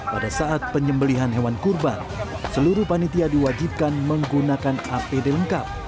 pada saat penyembelihan hewan kurban seluruh panitia diwajibkan menggunakan apd lengkap